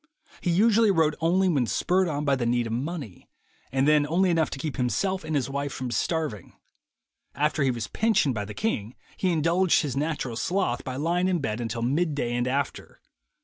He usually wrote only when spurred on by the need of money, and then only enough to keep himself and his wife from starving. After he was pensioned by the king, he indulged his natural sloth by lying in bed until mid day and after.